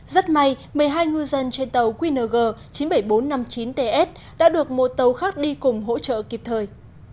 rất may một mươi hai ngư dân trên tàu qng chín mươi bảy nghìn bốn trăm năm mươi chín ts đã được một tàu khác đi cùng hỗ trợ kịp thời